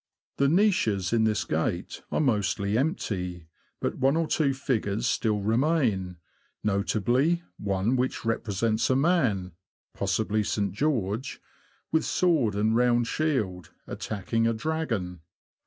The niches in this gate are mostly empty ; but one or two figures still remain, notably one which represents a man (possibly St. George), with sword and round shield, attacking a dragon.